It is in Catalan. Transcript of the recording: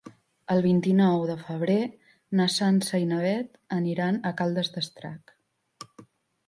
El vint-i-nou de febrer na Sança i na Beth aniran a Caldes d'Estrac.